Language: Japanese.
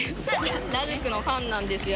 ラルクのファンなんですよ。